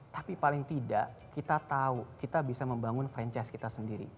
tapi paling tidak kita tahu kita bisa membangun franchise kita sendiri